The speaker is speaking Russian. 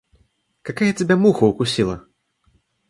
Какая тебя муха укусила?